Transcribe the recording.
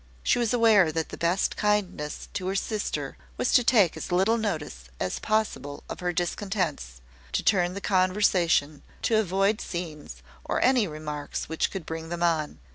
She was aware that the best kindness to her sister was to take as little notice as possible of her discontents to turn the conversation to avoid scenes, or any remarks which could bring them on.